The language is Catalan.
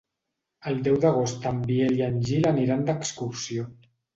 El deu d'agost en Biel i en Gil aniran d'excursió.